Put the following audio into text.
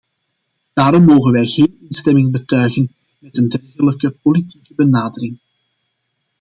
Daarom mogen wij geen instemming betuigen met een dergelijke politieke benadering.